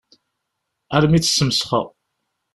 Armi i tt-smesxeɣ.